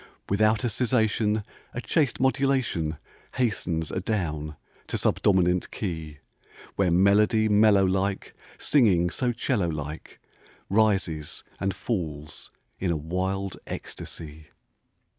Without a cessation A chaste modulation Hastens adown to subdominant key, Where melody mellow like Singing so 'cello like Rises and falls in a wild ecstasy.